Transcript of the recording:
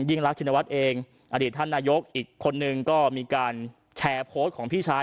รักชินวัฒน์เองอดีตท่านนายกอีกคนนึงก็มีการแชร์โพสต์ของพี่ชาย